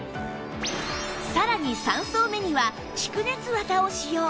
さらに３層目には蓄熱綿を使用